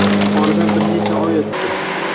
Oradan bir necha oy o`tdi